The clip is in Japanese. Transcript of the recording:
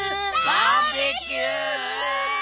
バーベキュー！